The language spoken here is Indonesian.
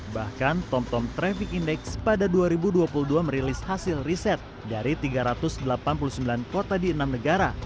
bahkan tomtom traffic index pada dua ribu dua puluh dua merilis hasil riset dari tiga ratus delapan puluh sembilan kota di enam negara